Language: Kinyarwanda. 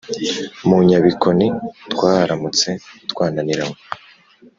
mu nyabikoni twaharamutse twananiranywe.